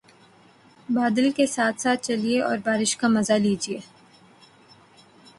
بادل کے ساتھ ساتھ چلیے اور بارش کا مزہ لیجئے